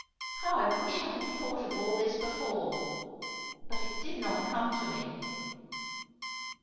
How I wish I had thought of all this before. But it did not come to me."